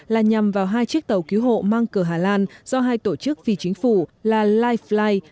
là nhằm vào hai chiếc tàu cứu hộ mang cờ hà lan do hai tổ chức phi chính phủ là lifly